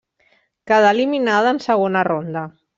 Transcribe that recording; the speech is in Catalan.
Quedà eliminada en segona ronda.